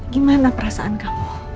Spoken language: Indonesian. gimana perasaan kamu